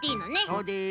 そうです。